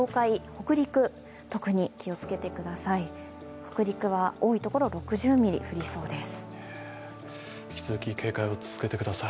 北陸は多いところ、６０ミリ降りそうです。